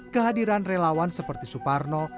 kehadiran relawan seperti suparno